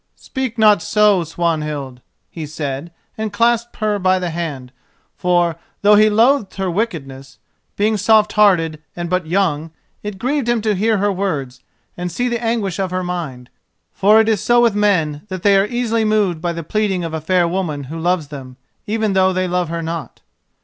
"Speak not so, Swanhild," he said, and clasped her by the hand, for, though he loathed her wickedness, being soft hearted and but young, it grieved him to hear her words and see the anguish of her mind. For it is so with men, that they are easily moved by the pleading of a fair woman who loves them, even though they love her not.